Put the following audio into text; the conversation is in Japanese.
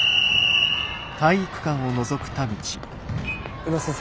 宇野先生